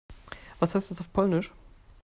Was heißt das auf Polnisch?